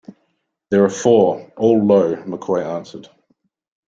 There are four, all low, McCoy answered.